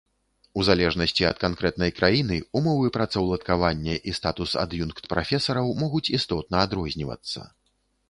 У залежнасці ад канкрэтнай краіны умовы працаўладкавання і статус ад'юнкт-прафесараў могуць істотна адрознівацца.